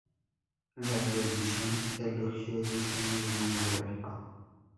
La revisión elogió el diseño del mundo gráfico.